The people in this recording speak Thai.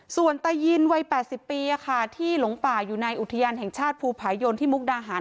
ส่วนตายินวัย๘๐ปีที่หลงป่าอยู่ในอุทยานแห่งชาติภูผายนที่มุกดาหาร